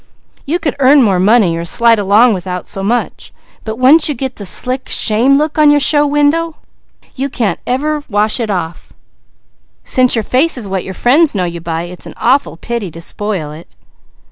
You can earn more money or slide along without so much; but once you get the slick, shamed look on your show window, you can't ever wash it off. Since your face is what your friends know you by, it's an awful pity to spoil it."